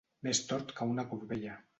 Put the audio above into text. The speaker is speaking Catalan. Més tort que una corbella.